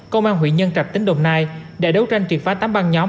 công an hủy nhân trạch tính đồng nai đã đấu tranh triệt phá tám băng nhóm